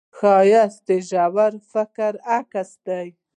ښایست د ژور فکر عکس دی